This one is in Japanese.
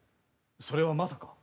それはまさか。